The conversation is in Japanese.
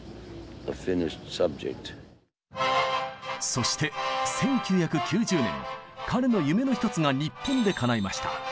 そして１９９０年彼の夢の一つが日本でかないました。